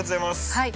はい。